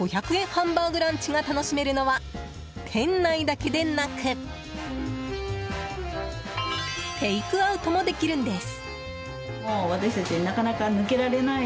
ハンバーグランチが楽しめるのは店内だけでなくテイクアウトもできるんです。